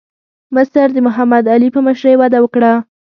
مصر د محمد علي په مشرۍ وده وکړه.